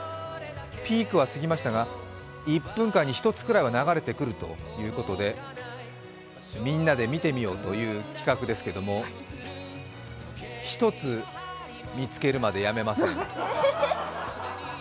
ピークは過ぎましたが１分間に１つくらいは流れてくるということで、みんなで見てみようという企画ですけれども、１つ見つけるまでやめません。